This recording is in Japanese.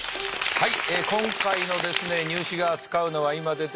はい。